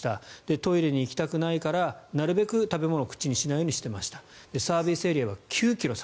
トイレに行きたくないからなるべく食べ物を口にしないようにしていましたサービスエリアが９ｋｍ先。